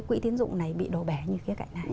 quỹ tiến dụng này bị đổ bẻ như cái cạnh này